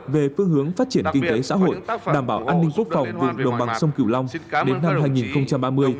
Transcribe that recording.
về phương hướng phát triển kinh tế xã hội đảm bảo an ninh quốc phòng vùng đồng bằng sông cửu long đến năm hai nghìn ba mươi